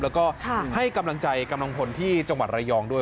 แล้วก็ให้กำลังใจกำลังพลที่จังหวัดระยองด้วย